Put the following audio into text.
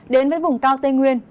đến với vùng cao tây nguyên